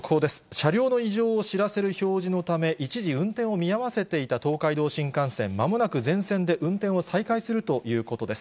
車両の異常を知らせる表示のため、一時、運転を見合わせていた東海道新幹線、まもなく全線で運転を再開するということです。